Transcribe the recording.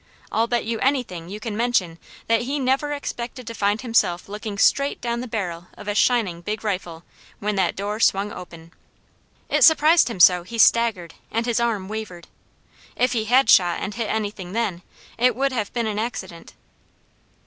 I'll bet anything you can mention that he never expected to find himself looking straight down the barrel of a shining big rifle when that door swung open. It surprised him so, he staggered, and his arm wavered. If he had shot and hit anything then, it would have been an accident.